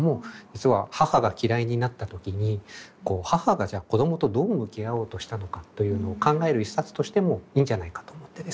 実は母が嫌いになった時に母が子供とどう向き合おうとしたのかというのを考える一冊としてもいいんじゃないかと思ってですね紹介してみました。